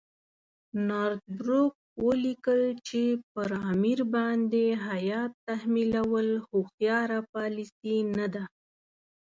نارت بروک ولیکل چې پر امیر باندې هیات تحمیلول هوښیاره پالیسي نه ده.